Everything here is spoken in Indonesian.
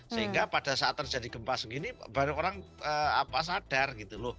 sehingga pada saat terjadi gempa segini banyak orang sadar gitu loh